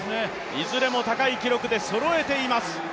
いずれも高い記録でそろえています。